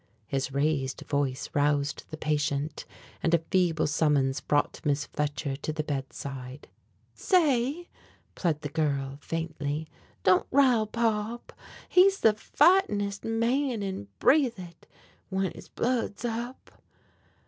His raised voice roused the patient, and a feeble summons brought Miss Fletcher to the bedside. "Say," plead the girl faintly, "don't rile Pop. He's the fightenest man in Breathitt when his blood's up."